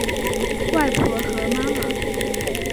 外婆和妈妈